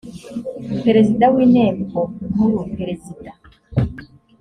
perezida w inteko nkuru perezida